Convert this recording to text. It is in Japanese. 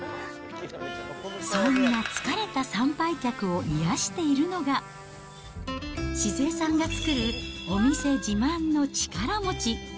そんな疲れた参拝客を癒やしているのが、静恵さんが作るお店自慢の力餅。